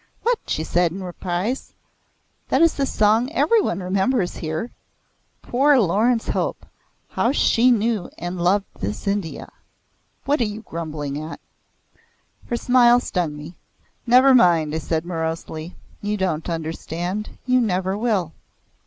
"What?" she asked in surprise. "That is the song every one remembers here. Poor Laurence Hope! How she knew and loved this India! What are you grumbling at?" Her smile stung me. "Never mind," I said morosely. "You don't understand. You never will."